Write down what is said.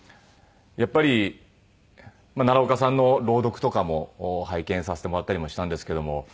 やっぱり奈良岡さんの朗読とかも拝見させてもらったりもしたんですけども。